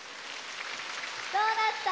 どうだった？